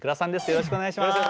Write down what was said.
よろしくお願いします。